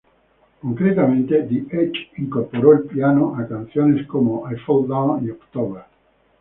Concretamente, The Edge incorporó el piano a canciones como "I Fall Down" y "October".